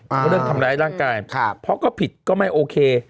เพราะเรื่องทำร้ายร่างกายเพราะก็ผิดก็ไม่โอเค